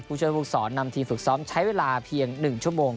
ผู้ช่วยผู้สอนนำทีมฝึกซ้อมใช้เวลาเพียง๑ชั่วโมง